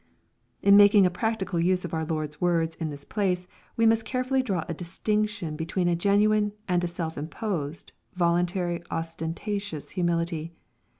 In making a practical use of our Lord's words in this place, we must carefully draw a distinction between a genuine, and a self imposed, voluntary, ostentatious humility.